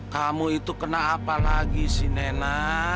kamu itu kena apa lagi sih nena